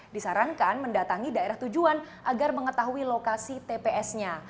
disarankan mendatangi daerah tujuan agar mengetahui lokasi tps nya